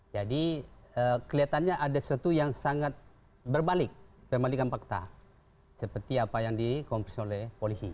jadi kelihatannya ada satu yang sangat berbalik perbalikan fakta seperti apa yang dikompresi oleh polisi